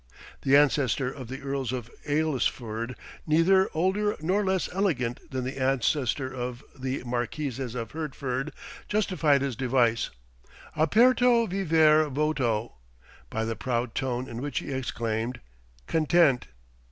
The ancestor of the Earls of Aylesford, neither older nor less elegant than the ancestor of the Marquises of Hertford, justified his device, Aperto vivere voto, by the proud tone in which he exclaimed, "Content."